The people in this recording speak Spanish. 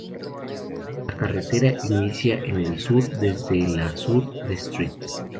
La carretera inicia en el Sur desde la sur de St.